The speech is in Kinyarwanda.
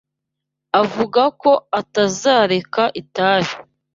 Avuga ko atazareka itabi.